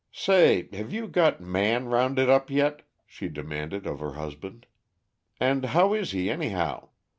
"Say! have you got Man rounded up yit?" she demanded of her husband. "And how is he, anyhow?